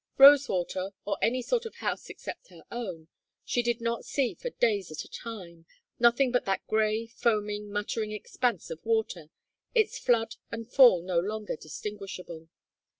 Rosewater, or any sort of house except her own, she did not see for days at a time, nothing but that gray foaming muttering expanse of water, its flood and fall no longer distinguishable.